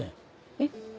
えっ。